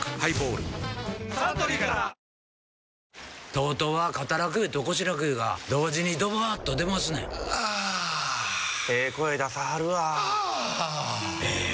ＴＯＴＯは肩楽湯と腰楽湯が同時にドバーッと出ますねんあええ声出さはるわあええ